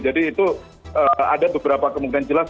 jadi itu ada beberapa kemungkinan jelas